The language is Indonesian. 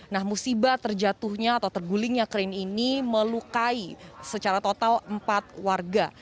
nah musibah terjatuhnya atau tergulingnya krain ini melukai secara total empat warga